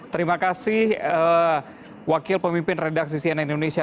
terima kasih wakil pemimpin redaksi cnn indonesia